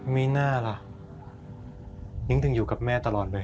มีหน้าล่ะนิ้งถึงอยู่กับแม่ตลอดเวลา